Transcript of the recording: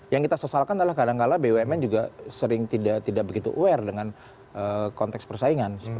yang kita sesalkan adalah kadangkala bumn juga sering tidak begitu aware dengan konteks persaingan